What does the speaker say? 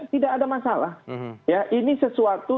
tidak ada masalah ya ini sesuatu